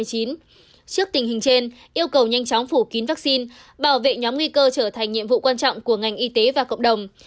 trước tình hình trên yêu cầu nhanh chóng phủ kín vaccine bảo vệ nhóm nguy cơ trở thành nhiệm vụ quan trọng của ngành y tế và cộng đồng